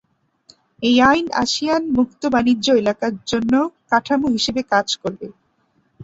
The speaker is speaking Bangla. এই আইন আসিয়ান মুক্ত বাণিজ্য এলাকা জন্য কাঠামো হিসেবে কাজ করবে।